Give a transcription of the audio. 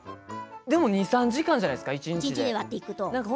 でも２、３時間じゃないですか一日だと。